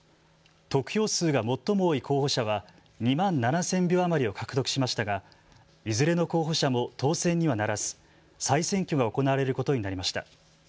得票数が最も多い候補者は２万７０００票余りを獲得しましたがいずれの候補者も当選にはならず再選挙が行われることになりました。